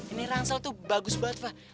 ini rangsil tuh bagus banget fah